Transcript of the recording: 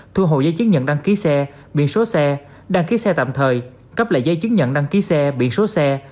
thu hồ dây chứng nhận đăng ký xe biển số xe đăng ký xe tạm thời cấp lại dây chứng nhận đăng ký xe biển số xe